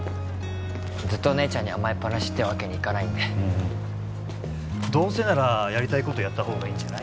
ずっと姉ちゃんに甘えっぱなしってわけにいかないんでどうせならやりたいことやった方がいいんじゃない？